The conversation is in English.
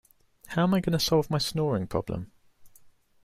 How am I going to solve my snoring problem?